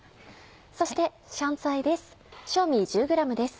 そして香菜です。